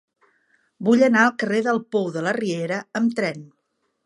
Vull anar al carrer del Pou de la Riera amb tren.